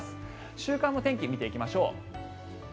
週間の天気を見ていきましょう。